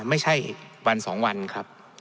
ไม่ใช่วัน๒วันครับ